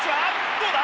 どうだ？